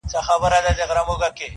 • پر هر ځای مي میدانونه په ګټلي -